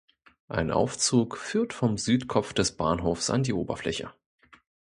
Ein Aufzug führt vom Südkopf des Bahnhofs an die Oberfläche.